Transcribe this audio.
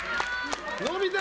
伸びた！